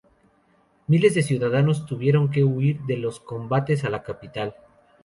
Miles de ciudadanos tuvieron que huir de los combates a la capital.